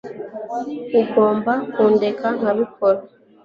Ugomba kundeka nkabikora